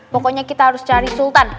pokoknya kita harus cari sultan